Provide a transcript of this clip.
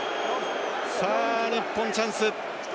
さあ、日本チャンス。